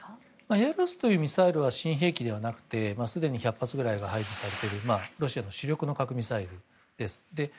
ヤルスというミサイルは新兵器ではなくてすでに１００発ぐらいが配備されているロシアの主力の核ミサイルです。